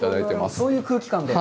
そういう空気感で。